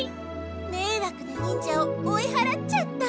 めいわくな忍者を追いはらっちゃった。